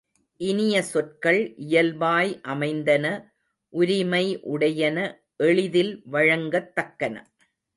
இனிய சொற்கள் இயல்பாய் அமைந்தன உரிமை உடையன எளிதில் வழங்கத் தக்கன.